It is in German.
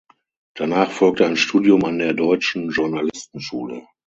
Danach folgte ein Studium an der Deutschen Journalistenschule.